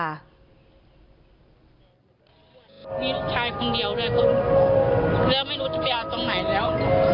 มีลูกชายคนเดียวด้วยคุณแล้วไม่รู้จะไปเอาตรงไหนแล้ว